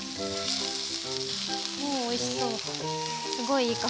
もうおいしそう。